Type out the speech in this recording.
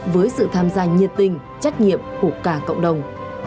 với sự tham gia nhiệt tình trách nhiệm của cả cộng đồng